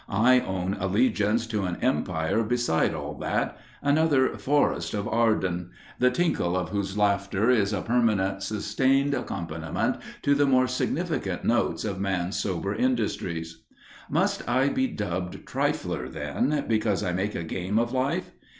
I own allegiance to an empire beside all that another Forest of Arden the tinkle of whose laughter is a permanent sustained accompaniment to the more significant notes of man's sober industries. Must I be dubbed trifler then, because I make a game of life?